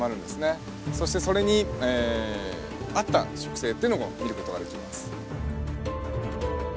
そしてそれに合った植生っていうのも見ることができます。